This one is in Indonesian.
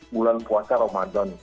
bulan puasa ramadan